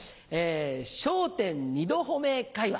『笑点』二度褒め会話。